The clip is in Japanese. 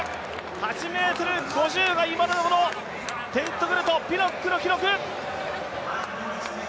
８ｍ５０が今のところテントグルとピノックの記録。